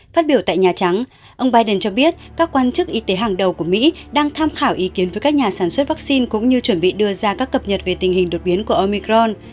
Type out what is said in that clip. phát biểu tại nhà trắng ông biden cho biết các quan chức y tế hàng đầu của mỹ đang tham khảo ý kiến với các nhà sản xuất vaccine cũng như chuẩn bị đưa ra các cập nhật về tình hình đột biến của omicron